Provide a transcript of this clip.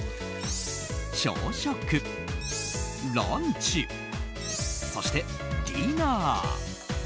朝食、ランチそして、ディナー。